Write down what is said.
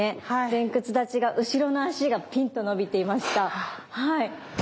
前屈立ちが後ろの足がピンと伸びていましたはい。